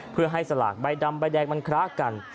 เพื่อให้สลากใบดำใบแดงมันคล้ากัน